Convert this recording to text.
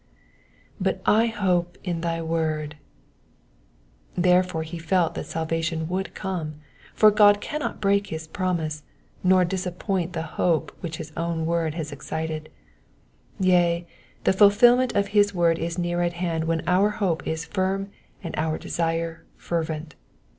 ^^But I hope in thy toord,^'' Therefore he felt that salva tion would come, for God cannot break his promise, nor disappoint the hope which his own word has excited : yea, the fulfilment of his word is near at hand when our hope is firm and our desire fervent.